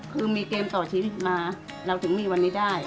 คือมีเกมต่อชีวิตมาเราถึงมีวันนี้ได้